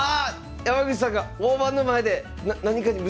山口さんが大盤の前で何かに夢中になってる！